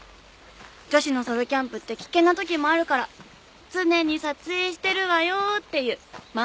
女子のソロキャンプって危険な時もあるから「常に撮影してるわよ」っていう周りへのアピール。